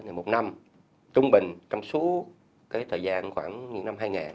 thì một năm trung bình trong suốt cái thời gian khoảng những năm hai nghìn